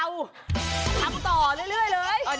เอาทำต่อเรื่อยเลย